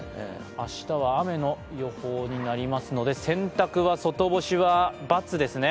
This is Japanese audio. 明日は雨の予報になりますので、洗濯は外干しは×ですね。